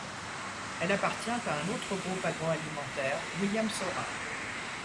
Elle appartient à un autre groupe agroalimentaire, William Saurin.